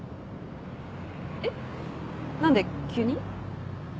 えっ？何で急に？